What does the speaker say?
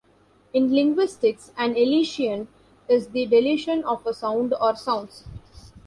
In linguistics, an elision is the deletion of a sound or sounds.